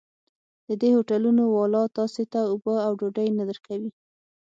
د دې هوټلونو والا تاسې ته اوبه او ډوډۍ نه درکوي.